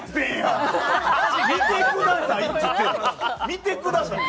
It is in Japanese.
見てください！